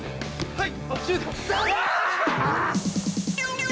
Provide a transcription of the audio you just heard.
はい！